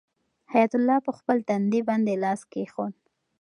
حیات الله په خپل تندي باندې لاس کېښود.